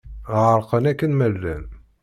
Ɣerqen akken ma llan.